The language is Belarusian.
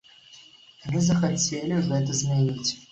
Мы захацелі гэта змяніць.